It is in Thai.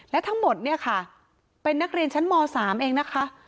และทั้งหมดเนี่ยค่ะเป็นนักเรียนชั้นม๓เองนะคะ